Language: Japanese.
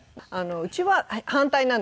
うちは反対なんですよ。